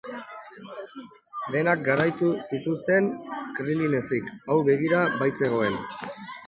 Denak garaitu zituzten Krilin ezik, hau begira baitzegoen.